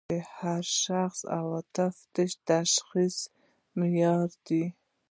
د هر شخص عواطف د تشخیص معیار دي.